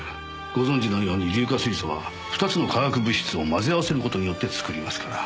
ご存じのように硫化水素は２つの化学物質を混ぜ合わせる事によって作りますから。